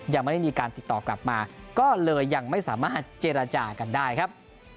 ยังไม่ได้มีการติดต่อกลับมาก็เลยยังไม่สามารถเจรจากันได้ครับ